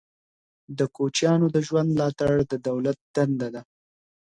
د کوچیانو د ژوند ملاتړ د دولت دنده ده.